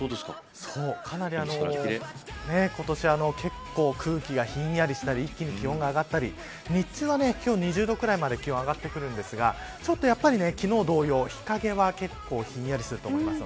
かなり、今年結構、空気がひんやりしたり一気に気温が上がったり日中は今日２０度ぐらいまで気温が上がってくるんですが昨日同様に日陰は結構ひんやりすると思います。